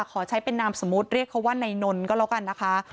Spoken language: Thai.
ขอใช้เป็นนามสมมุติเรียกเขาว่านายนนท์ก็แล้วกันนะคะ